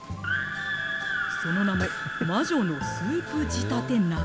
その名も、魔女のスープ仕立て鍋。